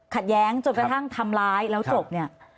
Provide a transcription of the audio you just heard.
แย้งจนกระทั่งทำร้ายแล้วจบเนี่ย